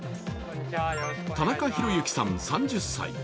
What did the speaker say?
田中寛之さん３０歳。